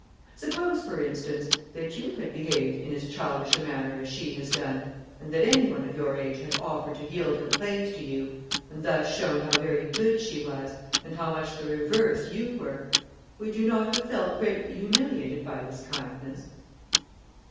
Suppose, for instance, that you had behaved in as childish a manner as she has done, and that any one of your age had offered to yield her place to you, and thus shown how very good she was, and how much the reverse you were, would you not have felt greatly humiliated by this kindness?"